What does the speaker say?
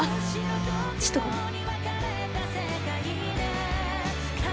ちょっとごめん。